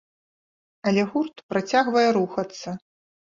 Але гурт працягвае рухацца.